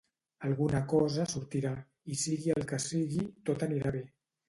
Alguna cosa sortirà, i sigui el que sigui, tot anirà bé.